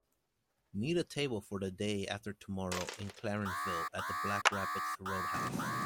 Need a table for the day after tomorrow in Clarenceville at the Black Rapids Roadhouse